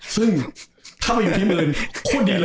ซึ่งถ้าไปอยู่ที่เมรินด์โคตรดีเลย